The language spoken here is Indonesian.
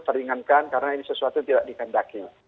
teringankan karena ini sesuatu yang tidak dikendaki